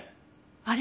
あれ？